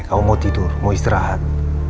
kamu mau tidur mau istirahat